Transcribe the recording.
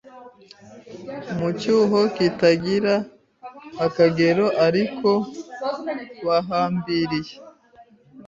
Mu cyuho kitagira akagero ariko bahambiriye